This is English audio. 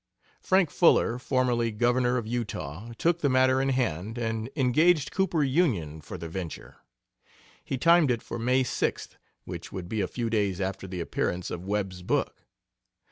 Frank Fuller, formerly Governor of Utah, took the matter in hand and engaged Cooper Union for the venture. He timed it for May 6th, which would be a few days after the appearance of Webb's book.